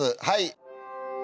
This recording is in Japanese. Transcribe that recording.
はい。